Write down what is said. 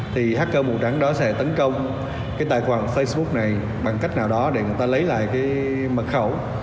thì hacker màu trắng đó sẽ tấn công cái tài khoản facebook này bằng cách nào đó để người ta lấy lại cái mật khẩu